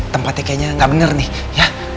tempatnya kayaknya gak bener nih